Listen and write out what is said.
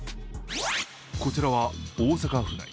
こちらは大阪府内。